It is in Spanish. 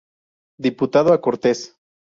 Diputado a Cortes.